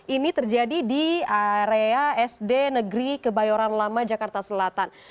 ini terjadi di area sd negeri kebayoran lama jakarta selatan